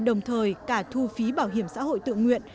đồng thời cả thu phí bảo hiểm xã hội tự nguyện